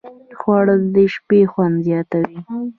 خوړل د شپې خوند زیاتوي